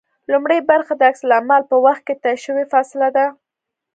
لومړۍ برخه د عکس العمل په وخت کې طی شوې فاصله ده